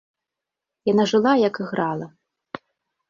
Яна жыла, як іграла.